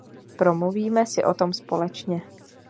Promluvíme si o tom společně.